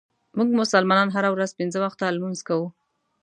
مونږ مسلمانان هره ورځ پنځه وخته لمونځ کوو.